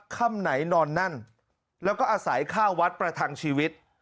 ค่ำไหนนอนนั่นแล้วก็อาศัยข้าววัดประทังชีวิต